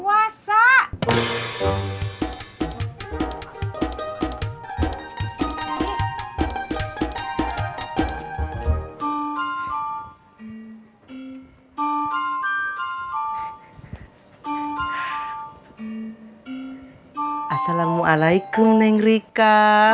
assalamualaikum neng rika